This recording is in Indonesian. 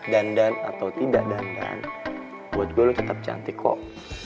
dandan atau tidak dandan buat gue lo tetap cantik kok